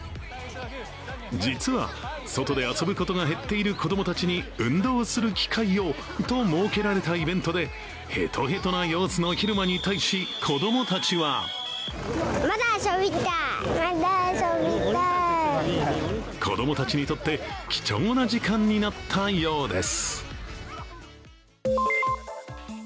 実は、外で遊ぶことが減っている子供たちに運動する機会をと設けられたイベントで、へとへとな様子の蛭間に対し、子供たちは子供たちにとって貴重な時間になったようです。